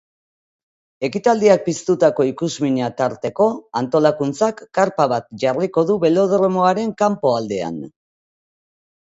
Ekitaldiak piztutako ikusmina tarteko, antolakuntzak karpa bat jarriko du belodromoaren kanpoaldean.